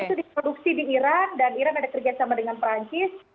itu diproduksi di iran dan iran ada kerjasama dengan perancis